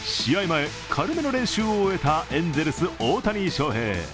前、軽めの練習を終えたエンゼルス・大谷翔平。